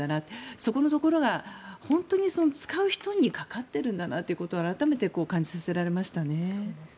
そこのところが使う人にかかっているんだなということを改めて感じさせられましたね。